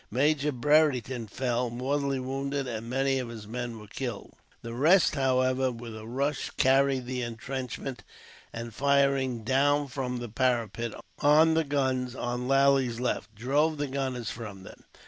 Major Brereton fell, mortally wounded, and many of his men were killed. The rest, however, with a rush carried the intrenchment, and firing down from the parapet on the guns on Lally's left, drove the gunners from them.